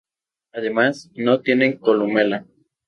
Además, no tienen columela.